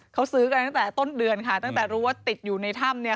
เขาซื้อกันตั้งแต่ต้นเดือนค่ะตั้งแต่รู้ว่าติดอยู่ในถ้ำเนี่ย